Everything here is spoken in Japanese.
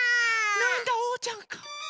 なんだおうちゃんか。